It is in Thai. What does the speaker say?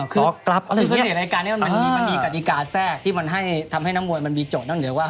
คือในรายการมันมีกฎิกาแทรกที่มันทำให้นักมัวมันมีโจทย์